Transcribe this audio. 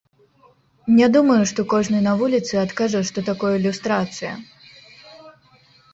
Не думаю, што кожны на вуліцы адкажа, што такое люстрацыя.